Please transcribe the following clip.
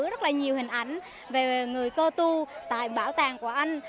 rất là nhiều hình ảnh về người cơ tu tại bảo tàng của anh